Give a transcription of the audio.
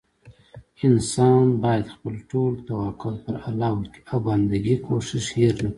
انسان بايد خپل ټول توکل پر الله وکي او بندګي کوښښ هير نه کړي